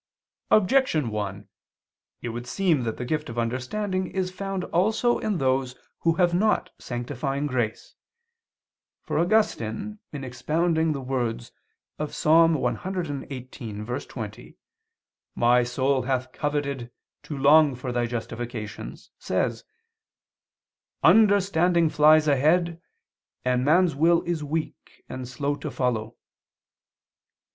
Objection 1: It would seem that the gift of understanding is found also in those who have not sanctifying grace. For Augustine, in expounding the words of Ps. 118:20: "My soul hath coveted to long for Thy justifications," says: "Understanding flies ahead, and man's will is weak and slow to follow."